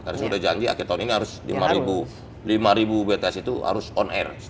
karena sudah janji akhir tahun ini harus lima ribu bts itu harus on air